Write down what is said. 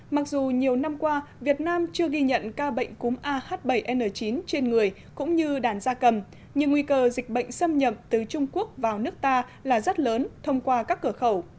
mặc dù nhiều năm qua việt nam chưa ghi nhận ca bệnh cúm ah bảy n chín trên người cũng như đàn da cầm nhưng nguy cơ dịch bệnh xâm nhập từ trung quốc vào nước ta là rất lớn thông qua các cửa khẩu